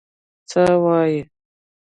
څه وايي.